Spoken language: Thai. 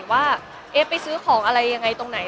ว่าเอ๊ะไปซื้อของอะไรยังไงตรงไหน